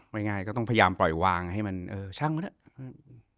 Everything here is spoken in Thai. ไม่ง่ายก็ต้องพยายามปล่อยวางให้มันช่างแล้ว